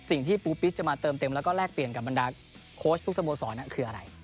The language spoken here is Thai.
สิ่งที่ปูปิชจะมาเติมเติมและแรกเปลี่ยนกับบรรดาโคชทุกสะโบสอนคืออะไร